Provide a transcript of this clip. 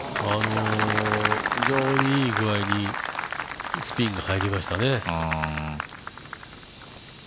非常にいいぐあいにスピンが入りましたね。